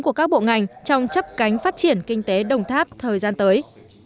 của các bộ ngành trong chấp cánh phát triển kinh tế đồng tháp thời gian tới